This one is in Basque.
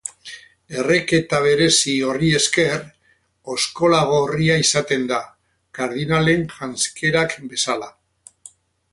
Erreketa berezi horri esker, oskola gorria izaten da, kardinalen janzkerak bezala.